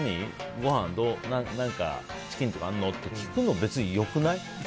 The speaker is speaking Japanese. ごはん、何かチキンとかあるの？って聞くの別によくない？